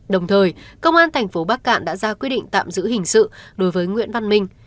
đồng thời công an thành phố bắc cạn đã ra quyết định tạm giữ hình sự đối với nguyễn văn minh